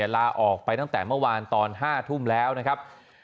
ลาออกไปตั้งแต่เมื่อวานตอน๕ทุ่มแล้วนะครับ